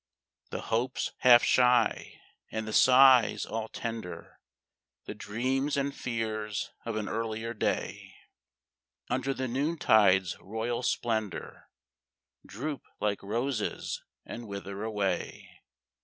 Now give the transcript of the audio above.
The hopes half shy, and the sighs all tender, The dreams and fears of an earlier day, Under the noontide's royal splendor, Droop like roses and wither away.